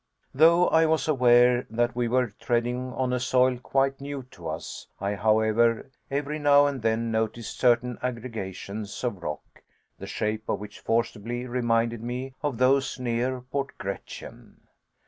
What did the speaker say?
Though I was aware that we were treading on a soil quite new to us, I, however, every now and then noticed certain aggregations of rock, the shape of which forcibly reminded me of those near Port Gretchen.